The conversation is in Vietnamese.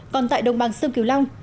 còn tại đồng bằng sương kiều long